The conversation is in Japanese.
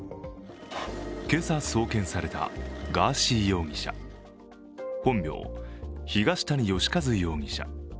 けさ送検されたガーシー容疑者本名・東谷義和容疑者。